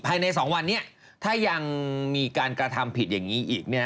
ภายใน๒วันนี้ถ้ายังมีการกระทำผิดอย่างนี้อีก